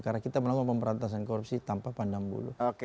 karena kita melakukan pemberantasan korupsi tanpa pandang bulu